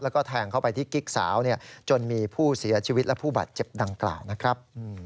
แล้วก็แทงเข้าไปที่กิ๊กสาวจนมีผู้เสียชีวิตและผู้บาดเจ็บดังกล่าวนะครับ